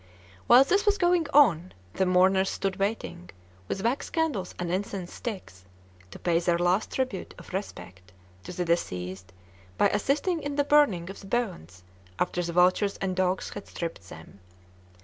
"While this was going on, the mourners stood waiting, with wax candles and incense sticks, to pay their last tribute of respect to the deceased by assisting in the burning of the bones after the vultures and dogs had stripped them.